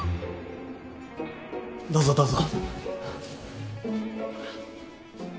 どうぞどうぞ。